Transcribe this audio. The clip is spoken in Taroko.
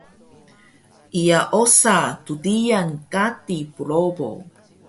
iya osa tdiyan kadi probo